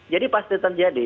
jadi pasti terjadi